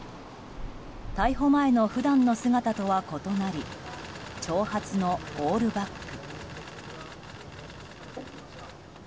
逮捕前の普段の姿とは異なり長髪のオールバック。